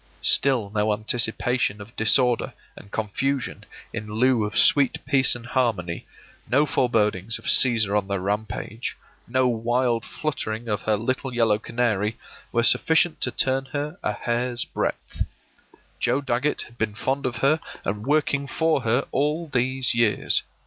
Still no anticipation of disorder and confusion in lieu of sweet peace and harmony, no forebodings of Cæsar on the rampage, no wild fluttering of her little yellow canary, were sufficient to turn her a hair's breadth. Joe Dagget had been fond of her and working for her all these years.